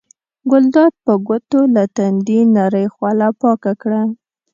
ګلداد په ګوتو له تندي نرۍ خوله پاکه کړه.